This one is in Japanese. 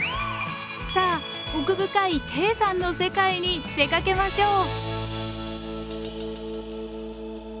さあ奥深い低山の世界に出かけましょう。